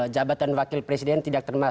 jabatan wakil presiden tidak terlalu banyak